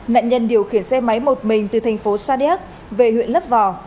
nạn nhân điều khiển xe máy một mình từ thành phố sa điếc về huyện lấp vò